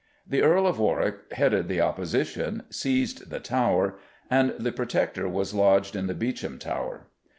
The Earl of Warwick headed the opposition, seized the Tower, and the Protector was lodged in the Beauchamp Tower.